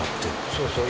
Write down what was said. そうそう。